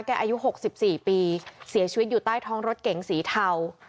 อายุ๖๔ปีเสียชีวิตอยู่ใต้ท้องรถเก๋งสีเทา